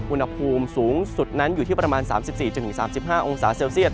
อุณหภูมิสูงสุดนั้นอยู่ที่ประมาณ๓๔๓๕องศาเซลเซียต